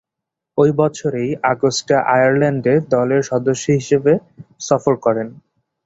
ঐ বছরেরই আগস্টে আয়ারল্যান্ডে এ দলের সদস্য হিসেবে সফর করেন।